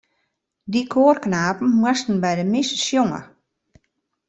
Dy koarknapen moasten by de mis sjonge.